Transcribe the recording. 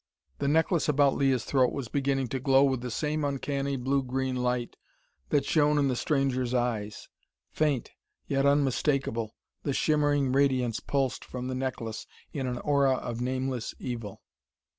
The necklace about Leah's throat was beginning to glow with the same uncanny blue green light that shone in the stranger's eyes! Faint, yet unmistakable, the shimmering radiance pulsed from the necklace in an aura of nameless evil.